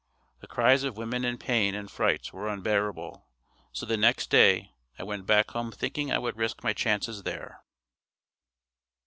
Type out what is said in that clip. The cries of women in pain and fright were unbearable, so the next day I went back home thinking I would risk my chances there.